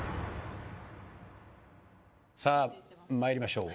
さあ参りましょう。